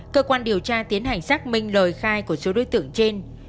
cơ quan điều tra tiến hành xác minh lời khai của số đối tượng trên